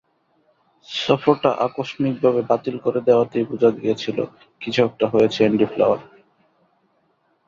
সফরটা আকস্মিকভাবে বাতিল করে দেওয়াতেই বোঝা গিয়েছিল, কিছু একটা হয়েছে অ্যান্ডি ফ্লাওয়ারের।